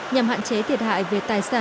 nhằm hạn chế thiệt hại về tài năng